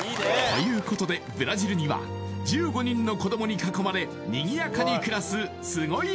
ということでブラジルには１５人の子どもに囲まれにぎやかに暮らすスゴい